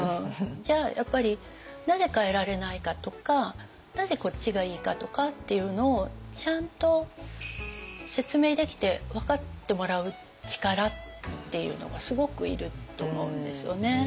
じゃあやっぱりなぜ変えられないかとかなぜこっちがいいかとかっていうのをちゃんと説明できて分かってもらう力っていうのがすごくいると思うんですよね。